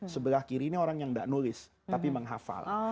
sebelah kiri ini orang yang tidak nulis tapi menghafal